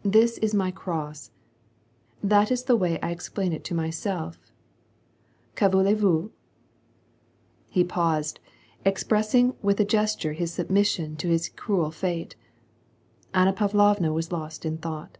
* This is my cross. That is the way that I explain it to myself. Que voulezrvous ?"— He paused, expressing with a gesture his submission to his cruel fete. Anna Pavlovna was lost in thought.